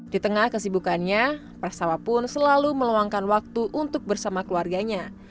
di tengah kesibukannya pras tawa pun selalu meluangkan waktu untuk bersama keluarganya